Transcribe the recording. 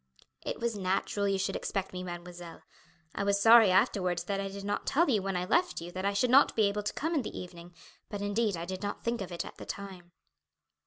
"It was natural you should expect me, mademoiselle. I was sorry afterwards that I did not tell you when I left you that I should not be able to come in the evening, but indeed I did not think of it at the time."